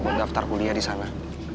buat daftar kuliah disana